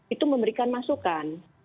itu memberikan masukan